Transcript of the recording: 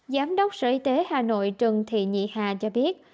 giám đốc sở y tế hà nội trần thị nhị hà cho biết